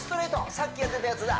さっきやってたやつだ